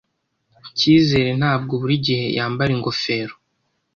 Cyizere ntabwo buri gihe yambara ingofero.